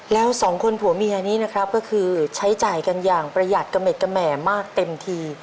แล้วสองคนผัวเมียนี้นะครับก็คือใช้จ่ายกันอย่างประหยัดกระเด็ดกระแหม่มากเต็มที